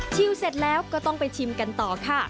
เสร็จแล้วก็ต้องไปชิมกันต่อค่ะ